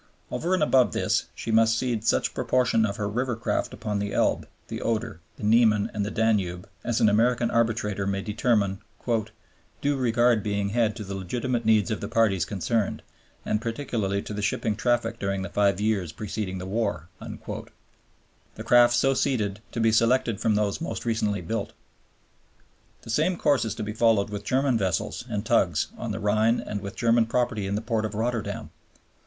Over and above this she must cede such proportion of her river craft upon the Elbe, the Oder, the Niemen, and the Danube as an American arbitrator may determine, "due regard being had to the legitimate needs of the parties concerned, and particularly to the shipping traffic during the five years preceding the war," the craft so ceded to be selected from those most recently built. The same course is to be followed with German vessels and tugs on the Rhine and with German property in the port of Rotterdam.